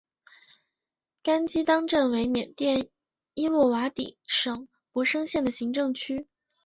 甘基当镇为缅甸伊洛瓦底省勃生县的行政区。